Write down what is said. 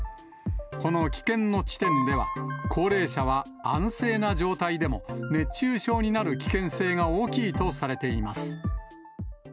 この危険の地点では、高齢者は安静な状態でも熱中症になる危険性が大きいとされています。